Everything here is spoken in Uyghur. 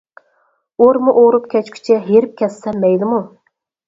ئورما ئورۇپ كەچكۈچە، ھېرىپ كەتسەم مەيلىمۇ.